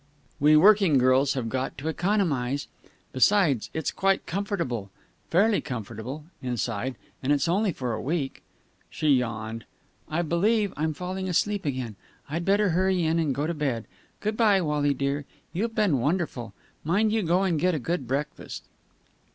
"We working girls have got to economize. Besides, it's quite comfortable fairly comfortable inside, and it's only for a week." She yawned. "I believe I'm falling asleep again. I'd better hurry in and go to bed. Good bye, Wally dear. You've been wonderful. Mind you go and get a good breakfast."